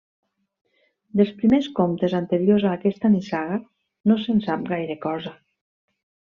Dels primers comtes anteriors a aquesta nissaga no se'n sap gaire cosa.